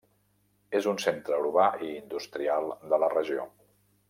És un centre urbà i industrial de la regió.